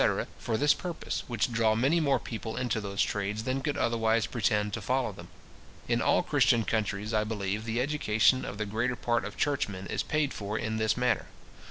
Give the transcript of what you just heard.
for this purpose, which draw many more people into those trades than could otherwise pretend to follow them. In all Christian countries, I believe, the education of the greater part of churchmen is paid for in this manner.